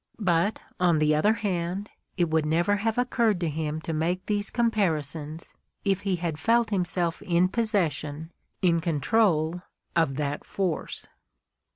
But, on the other hand, it would never have occurred to him to make these comparisons if he had felt himself in possession, in control, of that force.